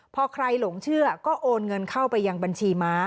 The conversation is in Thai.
พอใครหลงเชื่อก็โอนเงินเข้าไปยังบัญชีม้า